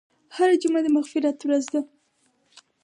هره جمعه د مغفرت ورځ ده.